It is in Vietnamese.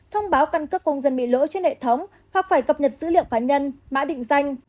thông báo căn cước công dân bị lỗi trên hệ thống hoặc phải cập nhật dữ liệu cá nhân mã định danh